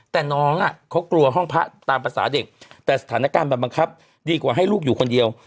แต่น้องเขากลัวห้องพระตามภาษาเด็กแต่สถานการณ์มันบังคับดีกว่าให้ลูกอยู่คนเดียว